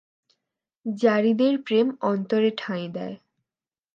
যারীদের প্রেম অন্তরে ঠাঁই দেয়।